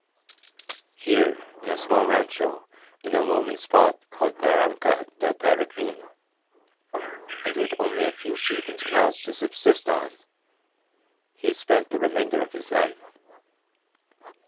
Here in a small rancho in a lonely spot called Barranca del Peregrine, and with only a few sheep and cows to subsist on, he spent the remainder of his life.